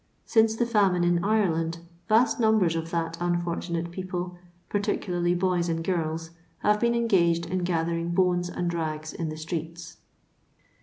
Since the fiunine in IreUnd vast numbers of that unfortunate people, particu larly boys and girls, have been engaged in gather ing bones and rags in the streets.